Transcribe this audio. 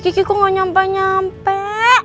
kiki kok gak nyampe nyampe